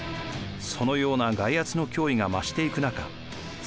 そのような外圧の脅威が増していく中